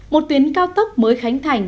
một tuyến cao tốc mới khánh thành